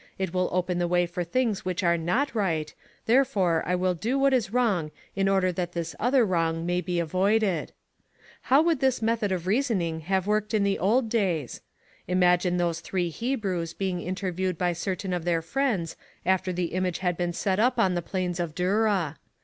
It will open the way for things which are not right, therefore I will do what is wrong in order that this other wrong may be avoided.' How would this 3l6 ONE COMMONPLACE DAY. method of reasoning have worked in the old days? Imagine those three Hebrews being interviewed \)y certain of their friends after the image had been set up on the plains of Dura.